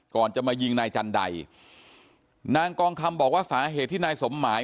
ก่อนจะมายิงนายจันใดนางกองคำบอกว่าสาเหตุที่นายสมหมาย